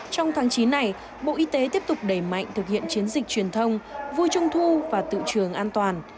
trong tháng chín này bộ y tế tiếp tục đẩy mạnh thực hiện chiến dịch truyền thông vui trung thu và tự trường an toàn